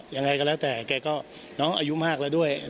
ยังไงก็แล้วแต่แกก็น้องอายุมากแล้วด้วย